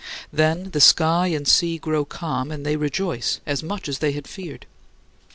Then the sky and sea grow calm, and they rejoice as much as they had feared.